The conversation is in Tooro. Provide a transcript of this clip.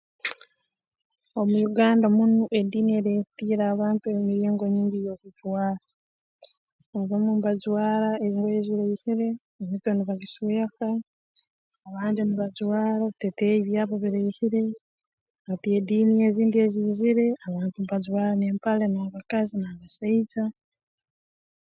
Omu Uganda munu ediini ereetiire abantu emiringo nyingi y'okujwara abamu mbajwara engoye eziraihire emitwe nibagisweka abandi nibajwara ebiteteeyi byabo biraihire hati ediini ezindi eziizire abantu mbajwara n'empale n'abakazi n'abasaija